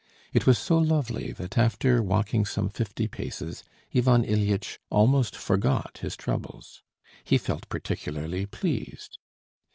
It was so lovely that after walking some fifty paces Ivan Ilyitch almost forgot his troubles. He felt particularly pleased.